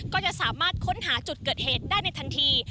ก็จะสามารถค้นหาจุดเกิดเหตุได้ในทันที